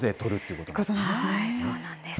そうなんです。